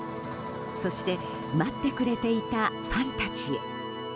そして待ってくれていたファンたちへ。